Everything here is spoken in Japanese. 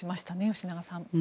吉永さん。